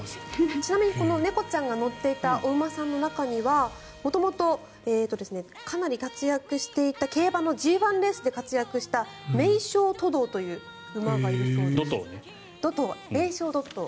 ちなみに猫ちゃんが乗っていたお馬さんの中には元々、かなり活躍していた競馬のＧ１レースで活躍したメイショウドトウという馬がいるそうです。